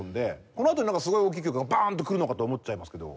このあとになんかすごい大きい曲がバーンとくるのかと思っちゃいますけど。